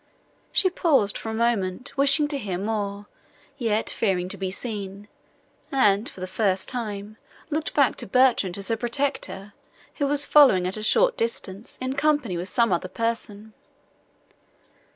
She paused a moment, wishing to hear more, yet fearing to be seen, and, for the first time, looked back to Bertrand, as her protector, who was following, at a short distance, in company with some other person.